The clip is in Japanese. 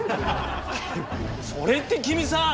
君それって君さ！